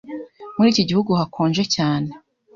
Muri iki gihugu hakonje cyane.